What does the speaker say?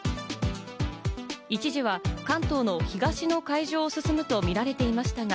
一時は関東の東の海上を進むと見られていましたが、